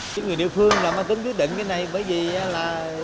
những người địa phương tính quyết định cái này bởi vì là